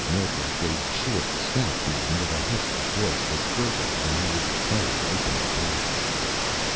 Millbrook, a short, stout man with a husky voice that gurgled when he was excited, opened the door.